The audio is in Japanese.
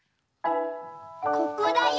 ここだよ。